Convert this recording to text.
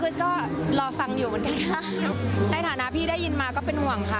ก็รอฟังอยู่เหมือนกันในฐานะพี่ได้ยินมาก็เป็นห่วงค่ะ